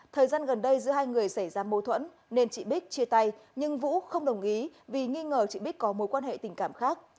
thời gian gần đây giữa hai người xảy ra mâu thuẫn nên chị bích chia tay nhưng vũ không đồng ý vì nghi ngờ chị bích có mối quan hệ tình cảm khác